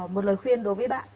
một lời khuyên đối với bạn